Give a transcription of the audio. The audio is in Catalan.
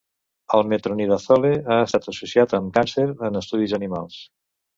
El metronidazole ha estat associat amb càncer en estudis animals.